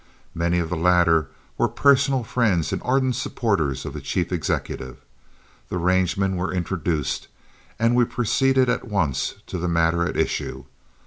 Many of the latter were personal friends and ardent supporters of the chief executive. The rangemen were introduced, and we proceeded at once to the matter at issue.